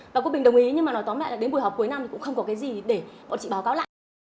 và cô bình đồng ý nhưng mà nói tóm lại là đến buổi họp cuối năm thì cũng không có cái gì để bọn chị báo cáo lại